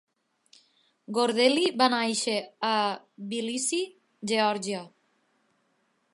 Gordeli va néixer a Tbilissi, Geòrgia.